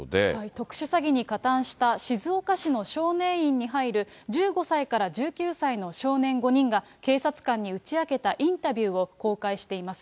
特殊詐欺に加担した静岡市の少年院に入る１５歳から１９歳の少年５人が警察官に打ち明けたインタビューを公開しています。